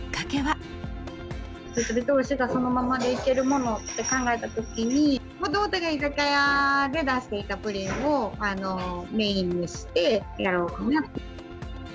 設備投資がそのままでいけるものって考えたときに、もともと居酒屋で出していたプリンをメインにしてやろうかな。